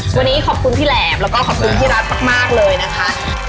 วันนี้ขอบคุณพี่แหลมแล้วก็ขอบคุณพี่รัฐมากเลยนะคะ